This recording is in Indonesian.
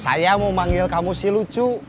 saya mau manggil kamu si lucu